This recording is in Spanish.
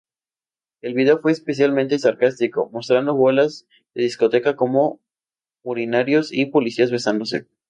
El video fue especialmente sarcástico, mostrando bolas de discoteca como urinarios y policías besándose.